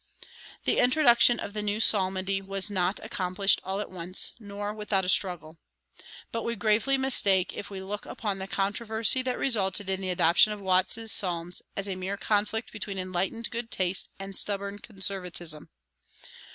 The introduction of the new psalmody was not accomplished all at once, nor without a struggle. But we gravely mistake if we look upon the controversy that resulted in the adoption of Watts's Psalms as a mere conflict between enlightened good taste and stubborn conservatism.